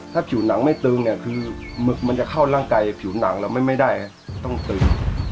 ถ้าผิวหนังไม่ตึงเนี่ยคือหมึกมันจะเข้าร่างกายผิวหนังแล้วไม่ได้ต้องตึง